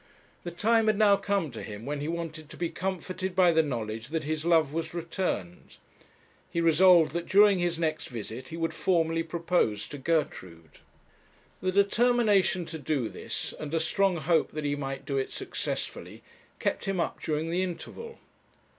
The time had now come to him when he wanted to be comforted by the knowledge that his love was returned. He resolved that during his next visit he would formally propose to Gertrude. The determination to do this, and a strong hope that he might do it successfully, kept him up during the interval.